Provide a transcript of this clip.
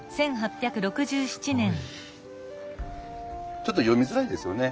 ちょっと読みづらいですよね。